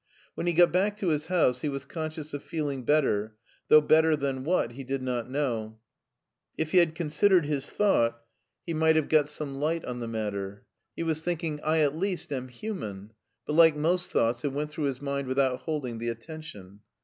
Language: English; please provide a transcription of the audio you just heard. When he got back to his House he was conscious of feeling better, though better than what he did not know. If he had considered his thought he might have n8 MARTIN SCHtJLER got some light on the matter. He was thinking, '* I at least am human/' but like most thoughts it went through his mind without holding the attention.